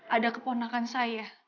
ada keponakan saya